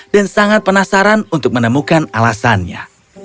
dan sangat penasaran untuk menemukan alasannya